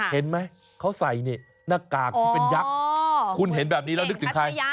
เห็นไหมเขาใส่นี่หน้ากากที่เป็นยักษ์คุณเห็นแบบนี้แล้วนึกถึงใคร